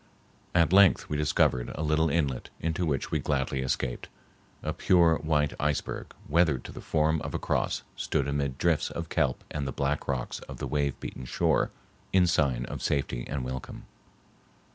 At length we discovered a little inlet, into which we gladly escaped. A pure white iceberg, weathered to the form of a cross, stood amid drifts of kelp and the black rocks of the wave beaten shore in sign of safety and welcome.